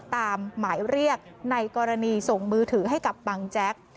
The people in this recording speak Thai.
ตามหมายเรียกในกรณีส่งมือถือให้กับบังแจ๊ก